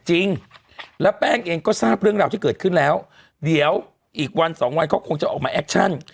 จริงแล้วแป้งเองก็ทราบเรื่องราวที่เกิดขึ้นแล้วเดี๋ยวอีกวันสองวันเขาคงจะออกมาแอคชั่น